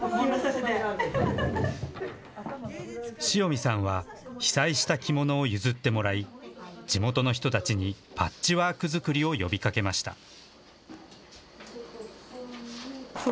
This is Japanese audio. しおみさんは、被災した着物を譲ってもらい地元の人たちにパッチワーク作りを呼びかけました。